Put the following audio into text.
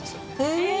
へえ！